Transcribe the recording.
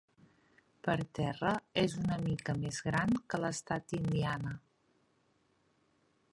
Per terra, és una mica més gran que l'estat d'Indiana.